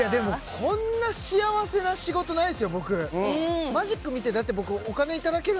こんな幸せな日ないですよ。